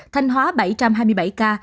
thanh hóa bảy trăm hai mươi bảy ca